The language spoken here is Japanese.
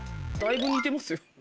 だいぶ似てますよ。